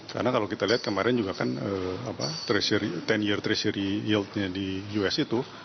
karena kalau kita lihat kemarin juga kan sepuluh year treasury yieldnya di us itu